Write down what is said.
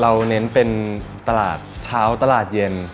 เน้นเป็นตลาดเช้าตลาดเย็น